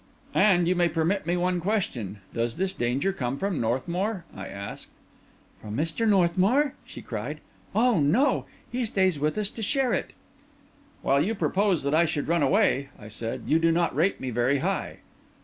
"And—you may permit me one question—does this danger come from Northmour?" I asked. "From Mr. Northmour?" she cried. "Oh no; he stays with us to share it." "While you propose that I should run away?" I said. "You do not rate me very high."